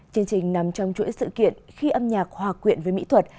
chương trình nằm trong chuỗi sự kiện khi âm nhạc hòa quyện với mỹ thuật